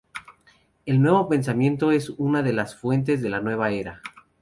El Nuevo Pensamiento es una de las fuentes de la Nueva Era.